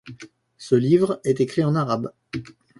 Ce livre est écrit en arabe.